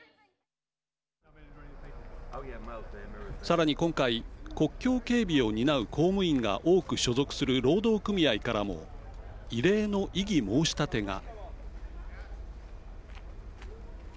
さらに今回国境警備を担う公務員が多く所属する労働組合からも異例の異議申し立てが。